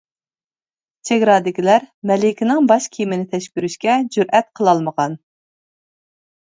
چېگرادىكىلەر مەلىكىنىڭ باش كىيىمىنى تەكشۈرۈشكە جۈرئەت قىلالمىغان.